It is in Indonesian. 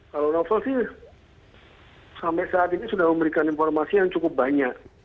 kalau novel sih sampai saat ini sudah memberikan informasi yang cukup banyak